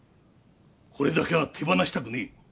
これだけは手放したくねえ。